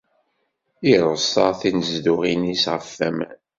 Ireṣṣa tinezduɣin-is ɣef waman.